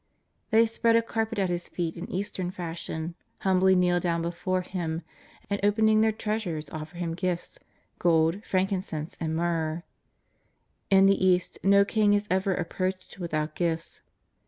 They spread a carpet at His feet in Eastern fashion, humbly kneel down before Him, and, opening their treasures offer Him gifts — gold, frank incense and myrrh. In the East no king is ever ap proached without gifts.